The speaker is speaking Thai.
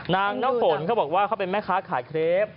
น้ำฝนเขาบอกว่าเขาเป็นแม่ค้าขายเครป